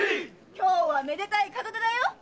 今日はめでたい門出だよ！